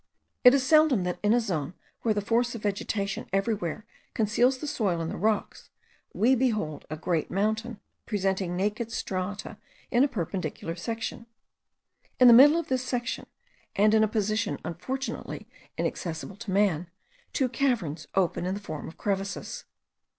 It is seldom that in a zone where the force of vegetation everywhere conceals the soil and the rocks, we behold a great mountain presenting naked strata in a perpendicular section. In the middle of this section, and in a position unfortunately inaccessible to man, two caverns open in the form of crevices.